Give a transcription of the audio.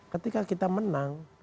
ketika kita menang